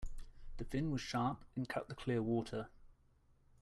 The fin was sharp and cut the clear water.